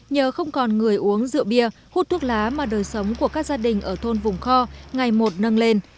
nhờ không còn người uống rượu bia hút thuốc lá mà đời sống của các gia đình ở thôn vùng kho ngày một nâng lên